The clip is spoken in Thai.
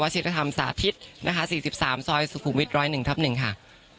ชิ้นธรรมสาธิตนะคะ๔๓ซอยสุขุมิตร๑๐๑ค่ะ